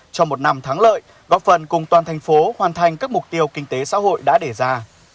trong một năm thắng lợi góp phần cùng toàn thành phố hoàn thành các mục tiêu kinh tế xã hội đã đề ra